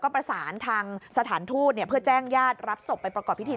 ประสานทางสถานทูตเพื่อแจ้งญาติรับศพไปประกอบพิธี